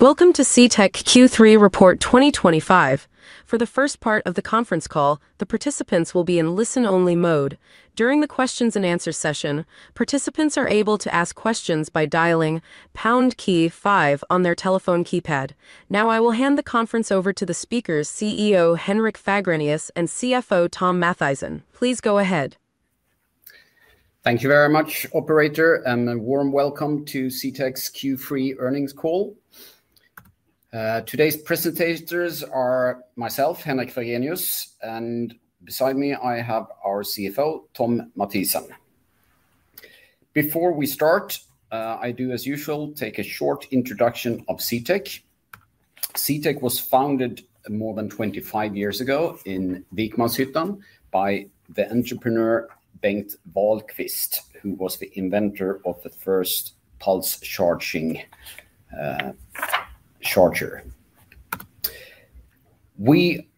Welcome to CTEK Q3 Report 2025. For the first part of the conference call, the participants will be in listen-only mode. During the questions and answers session, participants are able to ask questions by dialing #KEY5 on their telephone keypad. Now, I will hand the conference over to the speakers, CEO Henrik Fagrenius and CFO Thom Mathisen. Please go ahead. Thank you very much, operator, and a warm welcome to CTEK's Q3 earnings call. Today's presentators are myself, Henrik Fagrenius, and beside me, I have our CFO, Thom Mathisen. Before we start, I do, as usual, take a short introduction of CTEK. CTEK was founded more than 25 years ago in Vikmanshyttan by the entrepreneur Bengt Wahlqvist, who was the inventor of the first pulse charging charger. We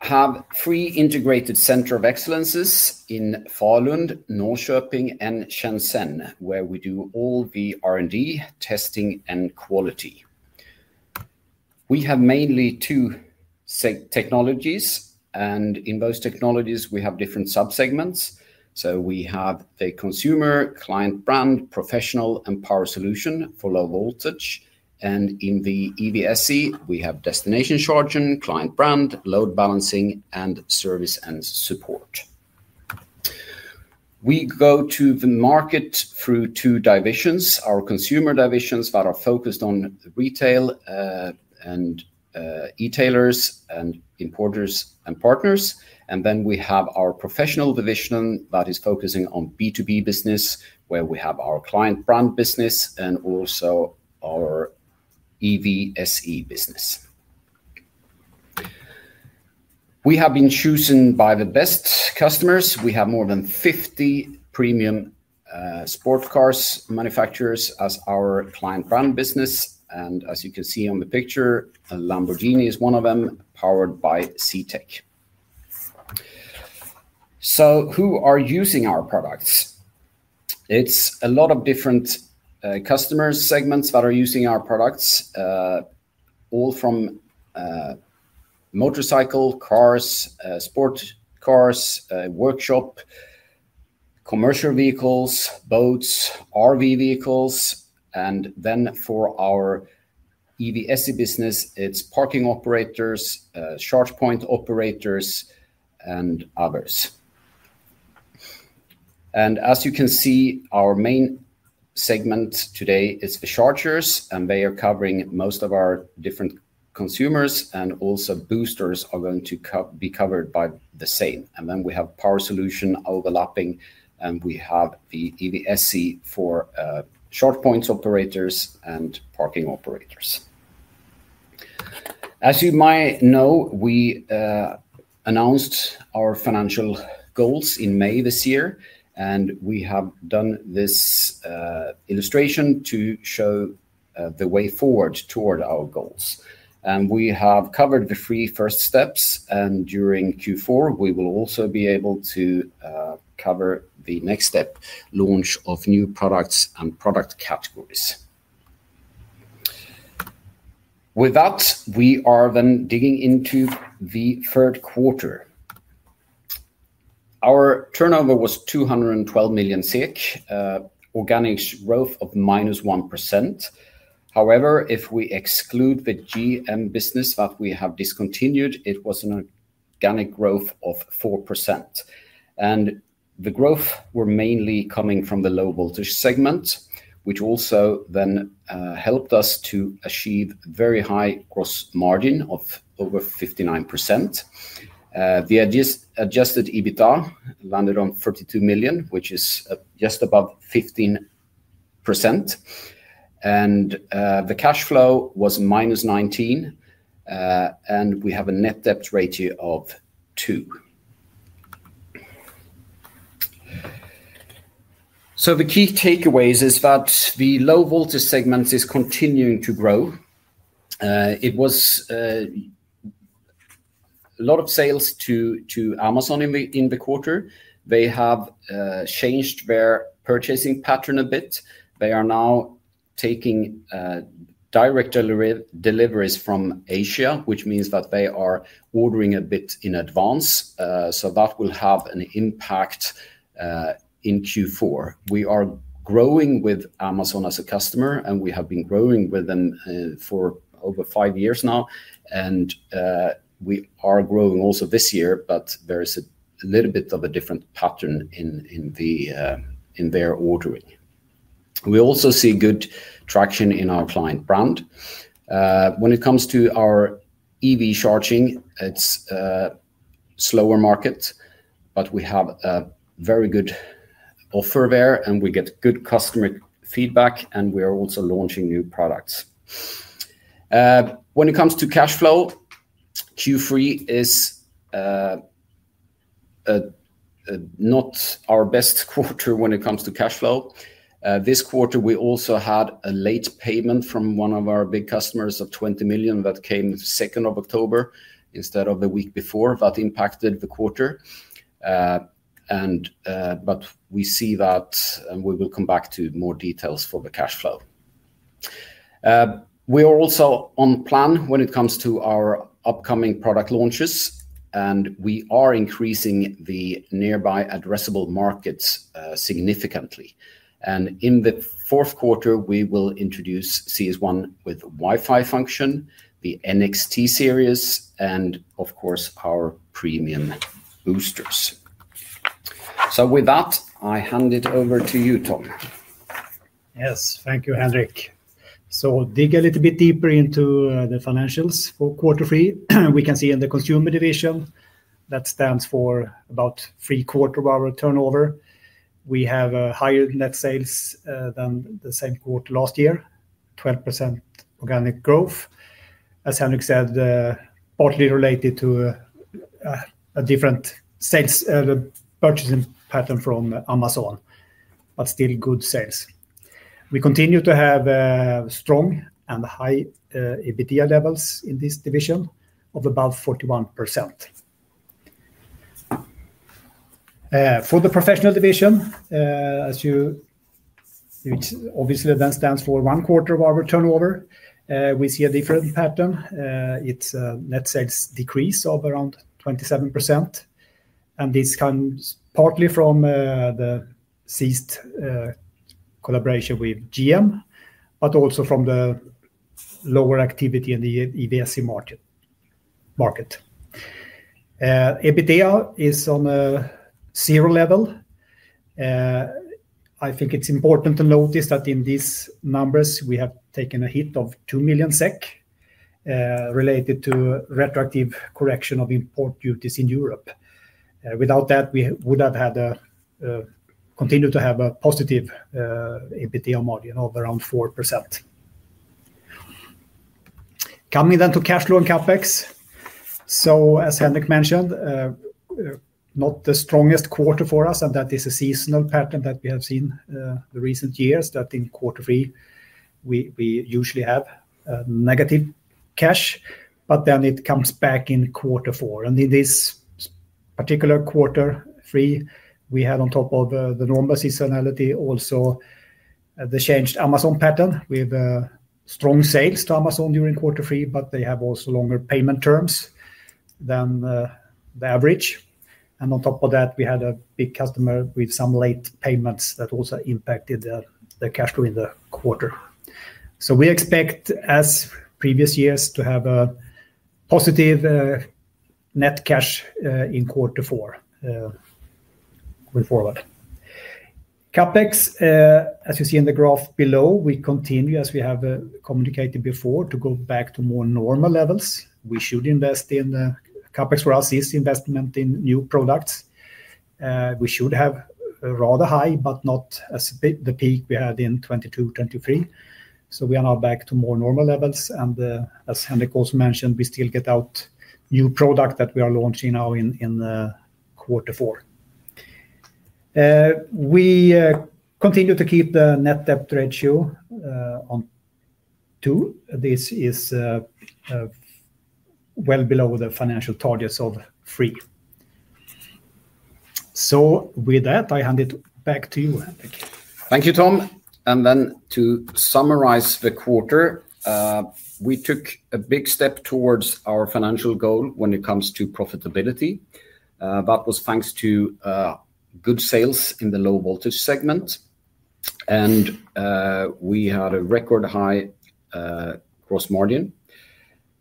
have three integrated centers of excellence in Falun, Norrköping, and Shenzhen, where we do all the R&D, testing, and quality. We have mainly two technologies, and in those technologies, we have different sub-segments. We have the consumer, client brand, professional, and power solutions for low voltage. In the EVSE, we have destination charging, client brand, load balancing, and service and support. We go to the market through two divisions: our consumer division that is focused on retail and retailers, importers, and partners. We have our professional division that is focusing on B2B business, where we have our client brand business and also our EVSE business. We have been chosen by the best customers. We have more than 50 premium sports car manufacturers as our client brand business. As you can see on the picture, Lamborghini is one of them powered by CTEK. Who are using our products? It's a lot of different customer segments that are using our products, all from motorcycle cars, sports cars, workshop, commercial vehicles, boats, RV vehicles. For our EVSE business, it's parking operators, charge point operators, and others. As you can see, our main segment today is the chargers, and they are covering most of our different consumers. Also, boosters are going to be covered by the same. We have power solutions overlapping, and we have the EVSE for charge point operators and parking operators. As you might know, we announced our financial goals in May this year, and we have done this illustration to show the way forward toward our goals. We have covered the three first steps. During Q4, we will also be able to cover the next step, launch of new products and product categories. With that, we are then digging into the third quarter. Our turnover was 212 million, organic growth of -1%. However, if we exclude the General Motors business that we have discontinued, it was an organic growth of 4%. The growth was mainly coming from the low voltage segment, which also then helped us to achieve a very high gross margin of over 59%. The adjusted EBITDA landed on $32 million, which is just above 15%. The cash flow was minus $19 million, and we have a net debt ratio of 2. The key takeaways are that the low voltage segment is continuing to grow. There was a lot of sales to Amazon in the quarter. They have changed their purchasing pattern a bit. They are now taking direct deliveries from Asia, which means that they are ordering a bit in advance. That will have an impact in Q4. We are growing with Amazon as a customer, and we have been growing with them for over five years now. We are growing also this year, but there is a little bit of a different pattern in their ordering. We also see good traction in our client brand. When it comes to our EV charging, it's a slower market, but we have a very good offer there, and we get good customer feedback, and we are also launching new products. When it comes to cash flow, Q3 is not our best quarter when it comes to cash flow. This quarter, we also had a late payment from one of our big customers of $20 million that came the 2nd of October instead of the week before that impacted the quarter. We see that, and we will come back to more details for the cash flow. We are also on plan when it comes to our upcoming product launches, and we are increasing the nearby addressable markets significantly. In the fourth quarter, we will introduce Series 1 with Wi-Fi function, the NXT series, and of course, our premium boosters. With that, I hand it over to you, Thom. Yes, thank you, Henrik. To dig a little bit deeper into the financials for quarter three, we can see in the Consumer division that stands for about three quarters of our turnover. We have higher net sales than the same quarter last year, 12% organic growth. As Henrik said, partly related to a different purchasing pattern from Amazon, but still good sales. We continue to have strong and high EBITDA levels in this division of about 41%. For the Professional division, which obviously then stands for one quarter of our turnover, we see a different pattern. It's a net sales decrease of around 27%. This comes partly from the ceased collaboration with General Motors, but also from the lower activity in the EVSE market. EBITDA is on a zero level. I think it's important to notice that in these numbers, we have taken a hit of 2 million SEK related to retroactive correction of import duties in Europe. Without that, we would have continued to have a positive EBITDA margin of around 4%. Coming then to cash flow and CapEx, as Henrik mentioned, not the strongest quarter for us, and that is a seasonal pattern that we have seen in recent years that in quarter three, we usually have negative cash, but it comes back in quarter four. In this particular quarter three, we had on top of the normal seasonality also the changed Amazon pattern with strong sales to Amazon during quarter three, but they have also longer payment terms than the average. On top of that, we had a big customer with some late payments that also impacted the cash flow in the quarter. We expect, as previous years, to have a positive net cash in quarter four going forward. CapEx, as you see in the graph below, we continue, as we have communicated before, to go back to more normal levels. We should invest in CapEx for our ceased investment in new products. We should have a rather high, but not as the peak we had in 2022, 2023. We are now back to more normal levels. As Henrik also mentioned, we still get out new products that we are launching now in quarter four. We continue to keep the net debt ratio on 2. This is well below the financial targets of 3. With that, I hand it back to you, Henrik. Thank you, Thom. To summarize the quarter, we took a big step towards our financial goal when it comes to profitability. That was thanks to good sales in the low voltage segment, and we had a record high gross margin.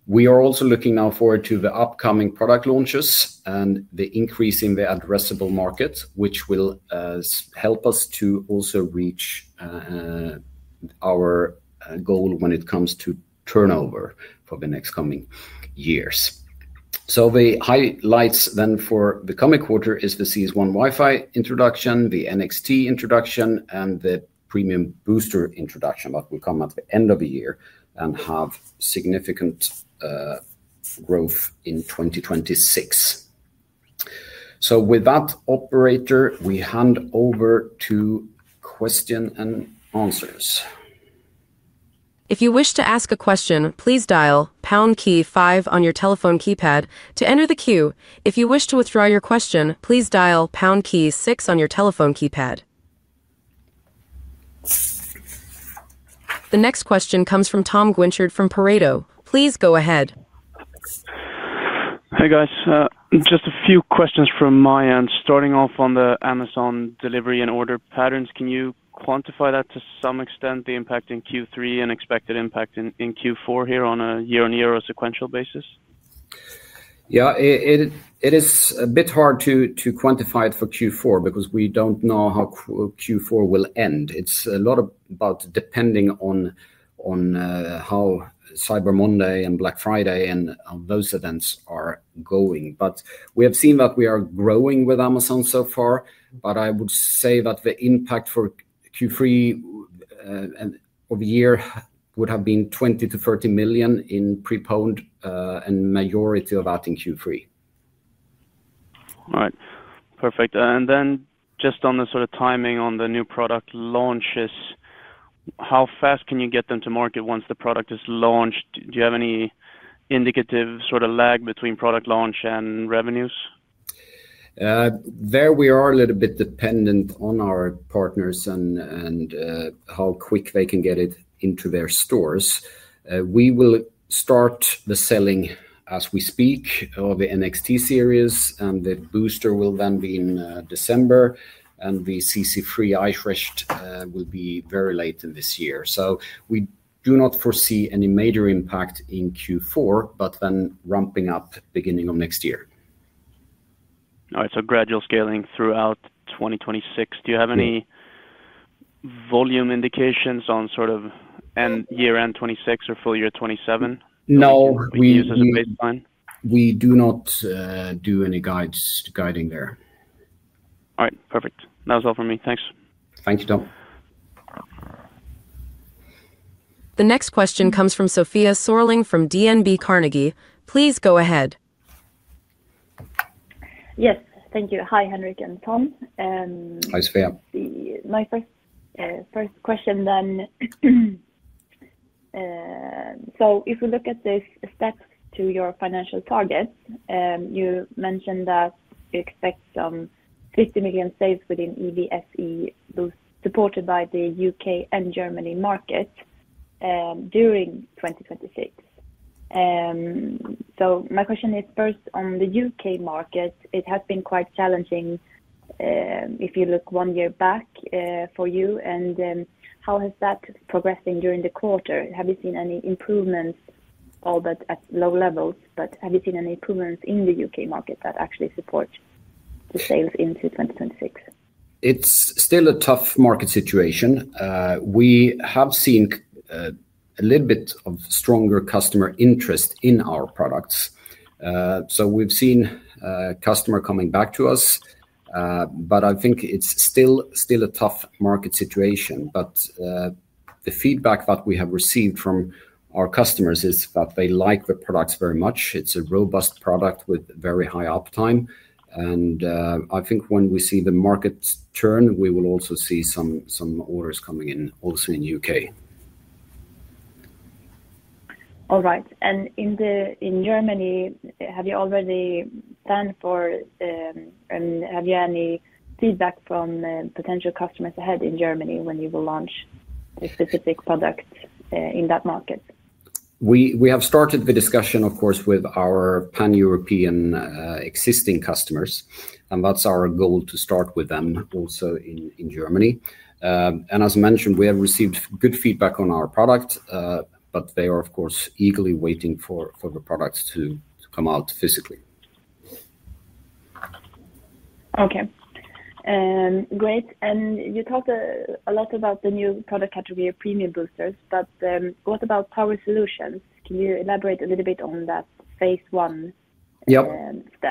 We are also looking now forward to the upcoming product launches and the increase in the addressable markets, which will help us to also reach our goal when it comes to turnover for the next coming years. The highlights for the coming quarter are the Series 1 with Wi-Fi introduction, the NXT series introduction, and the premium boosters introduction that will come at the end of the year and have significant growth in 2026. With that, operator, we hand over to question and answers. If you wish to ask a question, please dial #KEY5 on your telephone keypad to enter the queue. If you wish to withdraw your question, please dial #KEY6 on your telephone keypad. The next question comes from Tom Gwinchard from Pareto. Please go ahead. Hey, guys. Just a few questions from my end. Starting off on the Amazon delivery and order patterns, can you quantify that to some extent, the impact in Q3 and expected impact in Q4 here on a year-on-year or sequential basis? Yeah, it is a bit hard to quantify it for Q4 because we don't know how Q4 will end. It's a lot about depending on how Cyber Monday and Black Friday and those events are going. We have seen that we are growing with Amazon so far. I would say that the impact for Q3 of the year would have been $20 to $30 million in pre-poned and a majority of that in Q3. All right. Perfect. Just on the sort of timing on the new product launches, how fast can you get them to market once the product is launched? Do you have any indicative sort of lag between product launch and revenues? There we are a little bit dependent on our partners and how quick they can get it into their stores. We will start the selling as we speak of the NXT series, and the booster will then be in December. The Chargestorm Connected 3 iFresh will be very late in this year. We do not foresee any major impact in Q4, but then ramping up beginning of next year. All right. Gradual scaling throughout 2026. Do you have any volume indications on sort of year-end 2026 or full year 2027? No. To use as a baseline? We do not do any guides to guiding there. All right. Perfect. That was all for me. Thanks. Thank you, Tom. The next question comes from Sofia Sörling from DNB Carnegie. Please go ahead. Yes, thank you. Hi, Henrik and Thom. Hi, Sofia. My first question then, if we look at the steps to your financial targets, you mentioned that you expect $50 million sales within EVSE, both supported by the UK and Germany markets during 2026. My question is first on the UK market. It has been quite challenging if you look one year back for you. How has that progressed during the quarter? Have you seen any improvements, all but at low levels? Have you seen any improvements in the UK market that actually support the sales into 2026? It's still a tough market situation. We have seen a little bit of stronger customer interest in our products. We've seen customers coming back to us. I think it's still a tough market situation. The feedback that we have received from our customers is that they like the products very much. It's a robust product with very high uptime. I think when we see the market turn, we will also see some orders coming in also in the UK. In Germany, have you already planned for, and have you any feedback from potential customers ahead in Germany when you will launch a specific product in that market? We have started the discussion, of course, with our pan-European existing customers. That is our goal to start with them also in Germany. As I mentioned, we have received good feedback on our product, but they are, of course, eagerly waiting for the products to come out physically. Okay. Great. You talked a lot about the new product category of premium boosters, but what about power solutions? Can you elaborate a little bit on that phase one step?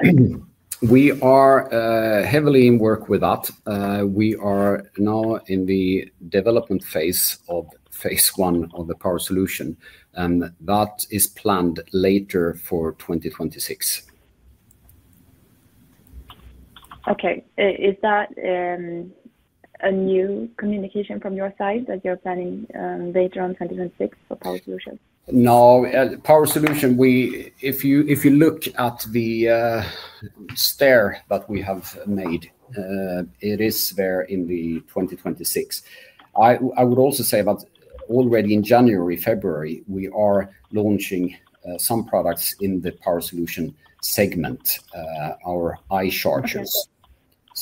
Yep. We are heavily in work with that. We are now in the development phase of phase one of the power solutions, and that is planned later for 2026. Okay. Is that a new communication from your side that you're planning later on 2026 for power solutions? No. Power solutions, if you look at the stair that we have made, it is there in 2026. I would also say that already in January, February, we are launching some products in the power solutions segment, our iChargers.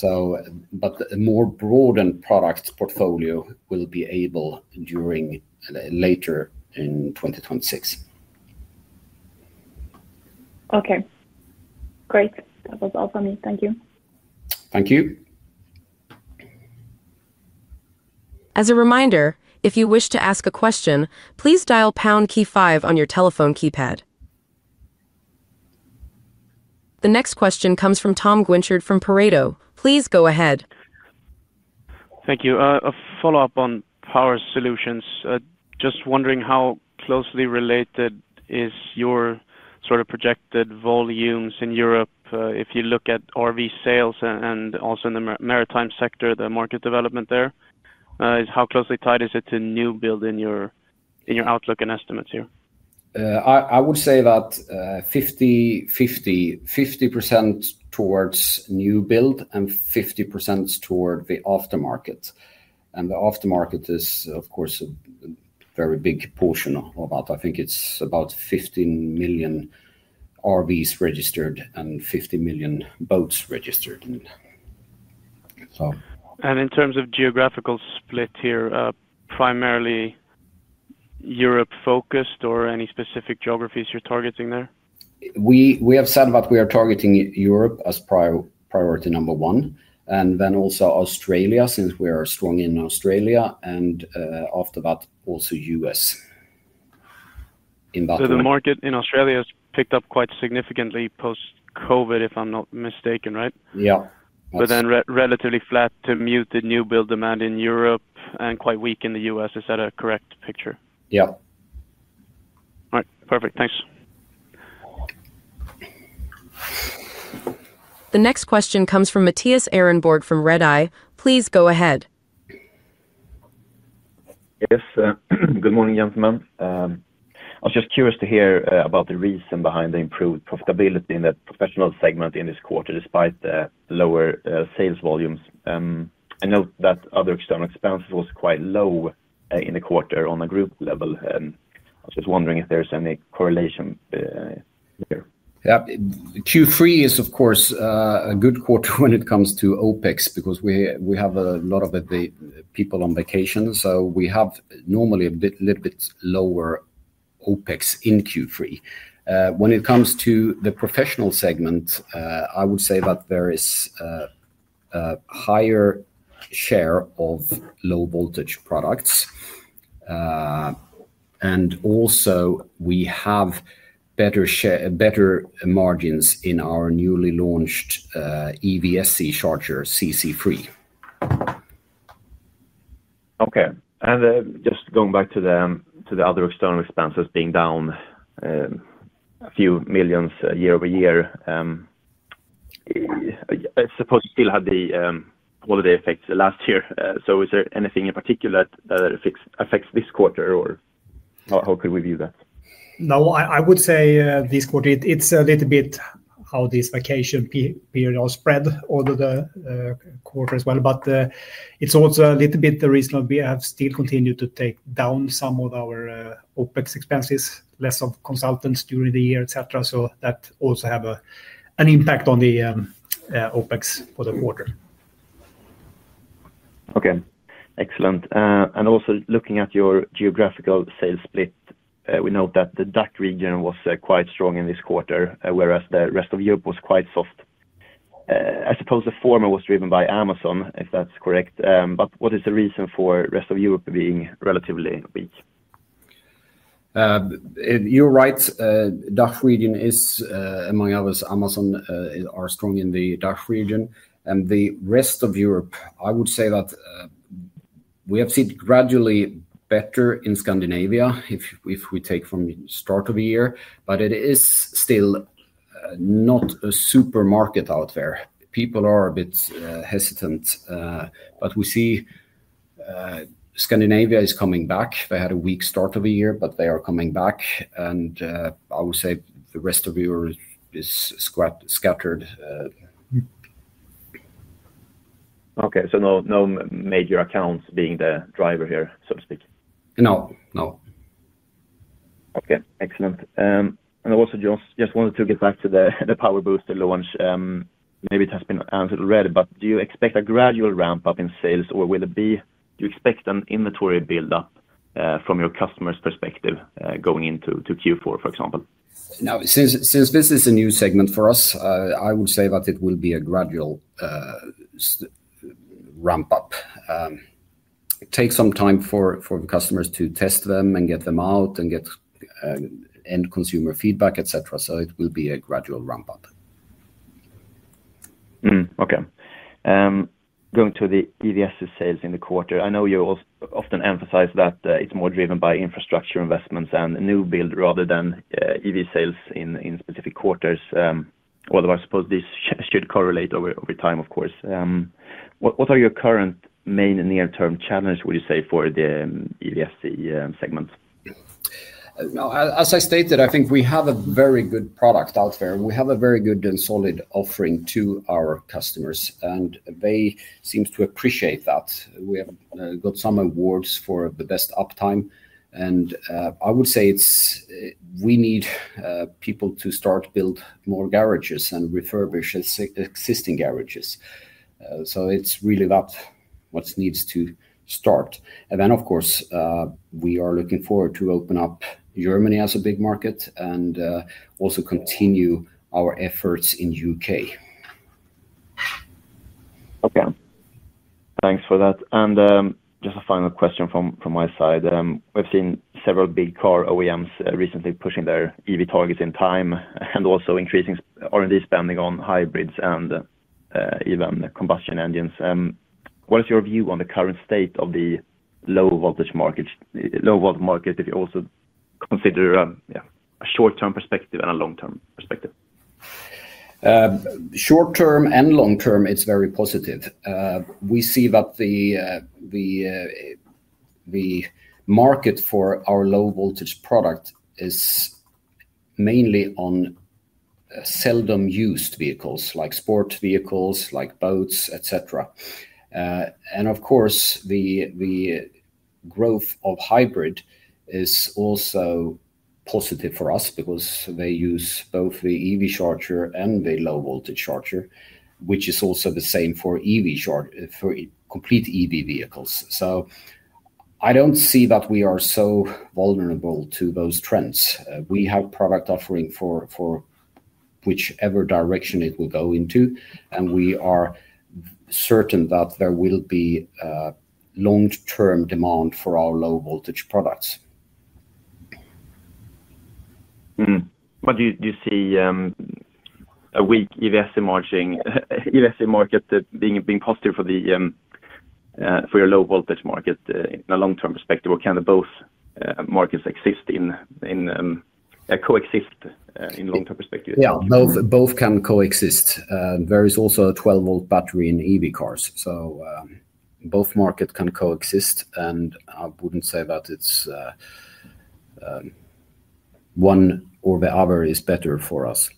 A more broadened product portfolio will be available later in 2026. Okay. Great. That was all for me. Thank you. Thank you. As a reminder, if you wish to ask a question, please dial #KEY5 on your telephone keypad. The next question comes from Tom Gwinchard from Pareto. Please go ahead. Thank you. A follow-up on power solutions. Just wondering how closely related are your sort of projected volumes in Europe? If you look at RV sales and also in the maritime sector, the market development there, how closely tied is it to new build in your outlook and estimates here? I would say that 50/50, 50% towards new build and 50% toward the aftermarket. The aftermarket is, of course, a very big portion of that. I think it's about 15 million RVs registered and 50 million boats registered. In terms of geographical split here, primarily Europe-focused or any specific geographies you're targeting there? We have said that we are targeting Europe as priority number one. We are also targeting Australia, since we are strong in Australia. After that, also U.S. The market in Australia has picked up quite significantly post-COVID, if I'm not mistaken, right? Yeah. Relatively flat to muted new build demand in Europe and quite weak in the U.S. Is that a correct picture? Yeah. All right. Perfect. Thanks. The next question comes from Matthias Ehrenborg from Redeye. Please go ahead. Yes. Good morning, gentlemen. I was just curious to hear about the reason behind the improved profitability in the professional segment in this quarter, despite the lower sales volumes. I note that other external expenses were quite low in the quarter on a group level. I was just wondering if there's any correlation here. Yeah. Q3 is, of course, a good quarter when it comes to OpEx because we have a lot of the people on vacation. We have normally a little bit lower OpEx in Q3. When it comes to the professional segment, I would say that there is a higher share of low voltage products. Also, we have better margins in our newly launched EVSE charger Chargestorm Connected 3. Okay. Just going back to the other external expenses being down a few million year over year, I suppose it still had the holiday effects last year. Is there anything in particular that affects this quarter, or how could we view that? No, I would say this quarter, it's a little bit how this vacation period spread over the quarter as well. It is also a little bit the reason we have still continued to take down some of our OpEx expenses, less of consultants during the year, etc. That also has an impact on the OpEx for the quarter. Okay. Excellent. Also, looking at your geographical sales split, we note that the DACH region was quite strong in this quarter, whereas the rest of Europe was quite soft. I suppose the former was driven by Amazon, if that's correct. What is the reason for the rest of Europe being relatively weak? You're right. The DACH region is, among others, Amazon is strong in the DACH region. The rest of Europe, I would say that we have seen gradually better in Scandinavia if we take from the start of the year. It is still not a super market out there. People are a bit hesitant. We see Scandinavia is coming back. They had a weak start of the year, but they are coming back. I would say the rest of Europe is scattered. Okay. No major accounts being the driver here, so to speak? No, no. Okay. Excellent. I also just wanted to get back to the premium boosters launch. Maybe it has been answered already, but do you expect a gradual ramp-up in sales, or do you expect an inventory build-up from your customers' perspective going into Q4, for example? Now, since this is a new segment for us, I would say that it will be a gradual ramp-up. It will take some time for the customers to test them and get them out and get end-consumer feedback, etc. It will be a gradual ramp-up. Okay. Going to the EVSE sales in the quarter, I know you often emphasize that it's more driven by infrastructure investments and new build rather than EV sales in specific quarters. Although I suppose these should correlate over time, of course. What are your current main near-term challenges, would you say, for the EVSE segment? As I stated, I think we have a very good product out there. We have a very good and solid offering to our customers, and they seem to appreciate that. We have got some awards for the best uptime. I would say we need people to start building more garages and refurbish existing garages. It is really that which needs to start. Of course, we are looking forward to opening up Germany as a big market and also continue our efforts in the UK. Okay. Thanks for that. Just a final question from my side. We've seen several big car OEMs recently pushing their EV targets in time and also increasing R&D spending on hybrids and even combustion engines. What is your view on the current state of the low voltage market if you also consider a short-term perspective and a long-term perspective? Short-term and long-term, it's very positive. We see that the market for our low voltage product is mainly on seldom used vehicles, like sport vehicles, like boats, etc. Of course, the growth of hybrid is also positive for us because they use both the EV charger and the low voltage charger, which is also the same for complete EV vehicles. I don't see that we are so vulnerable to those trends. We have product offering for whichever direction it will go into. We are certain that there will be long-term demand for our low voltage products. Do you see a weak EVSE market being positive for your low voltage market in a long-term perspective, or can both markets coexist in a long-term perspective? Yeah, both can coexist. There is also a 12-volt battery in EV cars. Both markets can coexist. I wouldn't say that one or the other is better for us.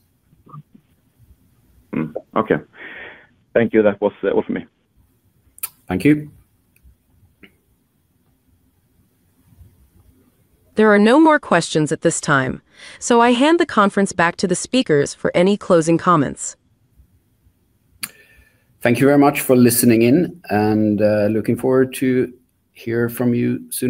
Okay, thank you. That was all for me. Thank you. There are no more questions at this time. I hand the conference back to the speakers for any closing comments. Thank you very much for listening in, and looking forward to hearing from you soon.